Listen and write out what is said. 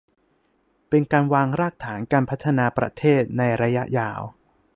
เป็นการวางรากฐานการพัฒนาประเทศในระยะยาว